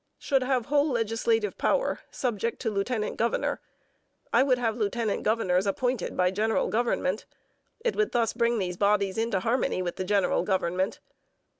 Should have whole legislative power subject to lieutenant governor. I would have lieutenant governors appointed by general government. It would thus bring these bodies into harmony with the general government.